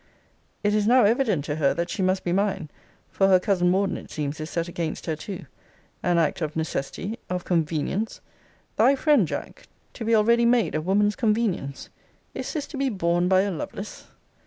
It is now evident to her, that she must be mine (for her cousin Morden, it seems, is set against her too) an act of necessity, of convenience! thy friend, Jack, to be already made a woman's convenience! Is this to be borne by a Lovelace?